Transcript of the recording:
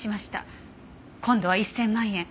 今度は１０００万円。